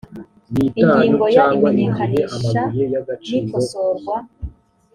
ingingo ya imenyekanisha n ikosorwa